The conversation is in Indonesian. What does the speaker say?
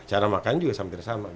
cara makan juga hampir sama